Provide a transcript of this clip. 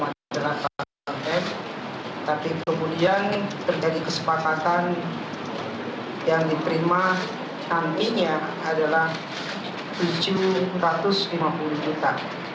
tapi kemudian terjadi kesepakatan yang diterima nantinya adalah tujuh ratus lima puluh juta